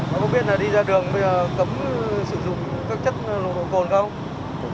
bạn có biết là đi ra đường bây giờ cấm sử dụng các chất nồng độ cồn không